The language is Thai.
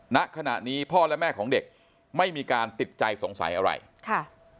ณขณะนี้พ่อและแม่ของเด็กไม่มีการติดใจสงสัยอะไรค่ะ